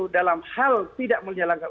dalam hal tidak menyelamatkan